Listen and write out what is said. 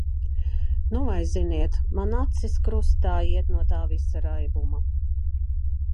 Nu vai ziniet, man acis krustā iet no tā visa raibuma.